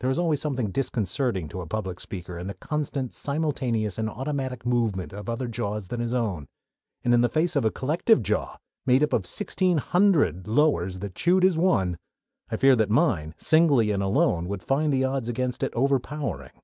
There is always something disconcerting to a public speaker in the constant, simultaneous, and automatic movement of other jaws than his own, and in the face of a collective jaw, made up of sixteen hundred lowers that chewed as one, I feared that mine, singly and alone, would find the odds against it overpowering.